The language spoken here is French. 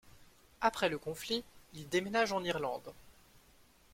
Après le conflit, il déménage en Irlande.